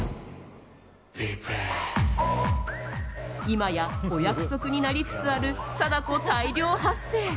今やお約束になりつつある貞子大量発生。